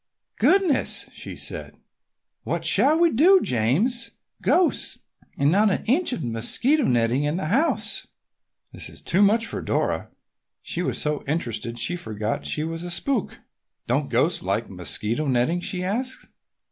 "Goodness!" she said. "What shall we do, James? Ghosts! and not an inch of mosquito netting in the house!" This was too much for Dora. She was so interested that she forgot she was a spook. "Don't ghosts like mosquito netting?" she asked.